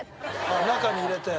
ああ中に入れて。